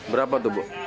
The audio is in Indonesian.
berapa tuh bu